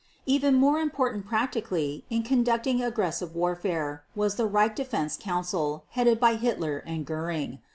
Even more important practically in conducting aggressive warfare was the Reich Defense Council headed by Hitler and Göring.